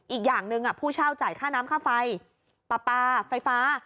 อีกอย่างหนึ่งผู้เช่าจ่ายค่าน้ำค่าไฟปลาปลาไฟฟ้า